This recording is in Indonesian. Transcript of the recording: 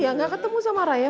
ya nggak ketemu sama raya